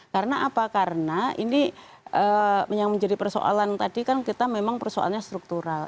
karena apa karena ini yang menjadi persoalan tadi kan kita memang persoalannya struktural